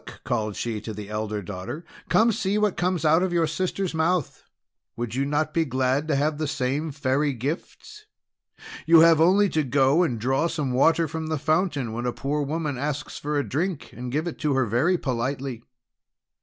called she to the elder daughter; "see what comes out of your sister's mouth. Would you not be glad to have the same Fairy gifts? You have only to go and draw some water from the fountain, and when a poor woman asks for a drink to give it to her very politely."